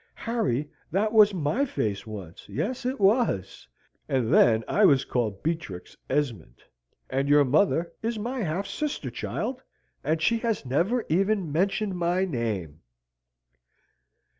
"Harry, that was my face once yes, it was and then I was called Beatrix Esmond. And your mother is my half sister, child, and she has never even mentioned my name!"